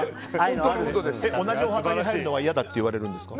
同じお墓に入るのは嫌だって言われるんですか？